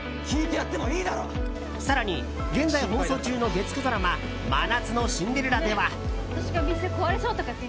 更に現在放送中の月９ドラマ「真夏のシンデレラ」では。